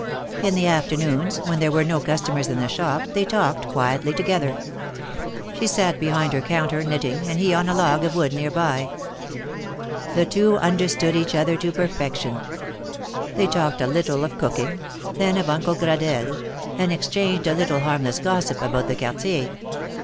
In the afternoons, when there were no customers in the shop, they talked quietly together. She sat behind her counter knitting, and he on a log of wood near by. The two understood each other to perfection. They talked a little of cooking, then of Uncle Gradelle, and exchanged a little harmless gossip about the Quartier.